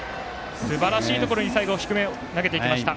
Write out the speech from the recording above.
すばらしいところに最後、低め投げていきました。